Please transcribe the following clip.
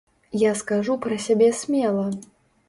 Я скажу пра сябе смела!